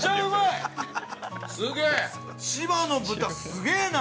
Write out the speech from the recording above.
◆千葉の豚、すげえな。